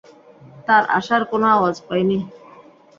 তার আসার কোন আওয়াজ পাইনি।